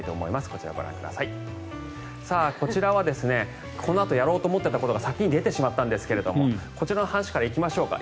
こちらはこのあとやろうと思っていたことが先に出てしまったんですがこちらの話から行きましょうか。